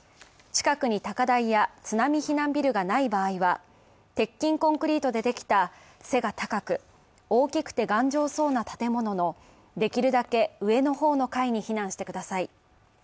近くに高台や津波避難ビルがない場合は、鉄筋コンクリートでできた背が高く大きくて頑丈そうな建物のできるだけ上の方の階に避難してください